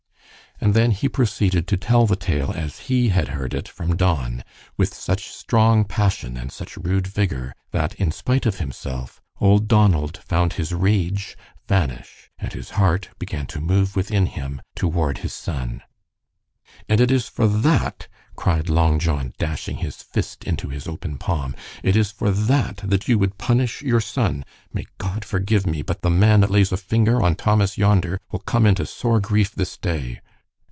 And then he proceeded to tell the tale as he had heard it from Don, with such strong passion and such rude vigor, that in spite of himself old Donald found his rage vanish, and his heart began to move within him toward his son. "And it is for that," cried Long John, dashing his fist into his open palm, "it is for that that you would punish your son. May God forgive me! but the man that lays a finger on Thomas yonder, will come into sore grief this day.